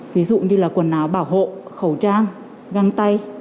ví dụ như là quần áo bảo hộ khẩu trang găng tay